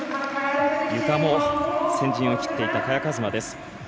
ゆかも先陣を切っていった萱和磨です。